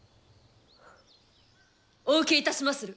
お受けいたしまする。